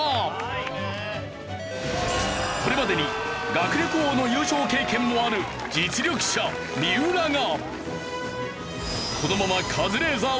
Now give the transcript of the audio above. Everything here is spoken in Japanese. これまでに学力王の優勝経験もある実力者三浦が。